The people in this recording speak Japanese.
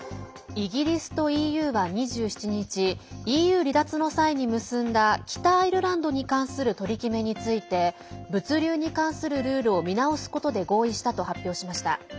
イギリスとＥＵは２７日ＥＵ離脱の際に結んだ北アイルランドに関する取り決めについて物流に関するルールを見直すことで合意したと発表しました。